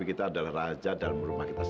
kalau portanyazlich ganas